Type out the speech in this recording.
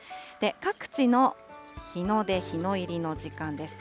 各地の日の出、日の入りの時間です。